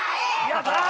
やったー！